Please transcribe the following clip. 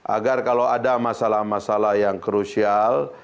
agar kalau ada masalah masalah yang krusial